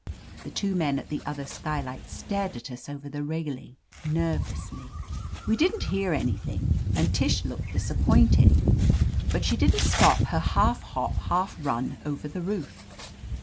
The two men at the other skylight stared at us over the railing nervously. We didn't hear anything, and Tish looked i8o ^ ft OF LETITIA CARBERRY disappointed. But she didn't stop her half hop, half run, over the roof.